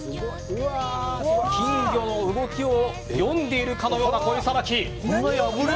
金魚の動きを読んでいるかのようなポイさばき。